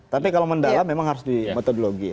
tapi kalau mendalam memang harus di metodologi ya